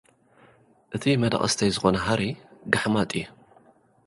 እቲ መዳቕስተይ ዝኾነ ሃሪ፡ ጋሕማጥ እዩ።